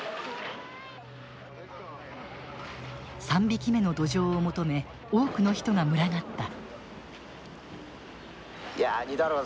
３匹目のどじょうを求め多くの人が群がった。